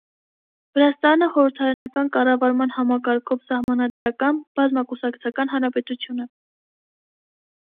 Վրաստանը խորհրդարանական կառավարման համակարգով սահմանադրական, բազմակուսակցական հանրապետություն է։